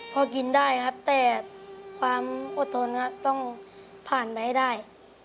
พอกินได้ครับแต่ความอดทนครับต้องผ่านไปให้ได้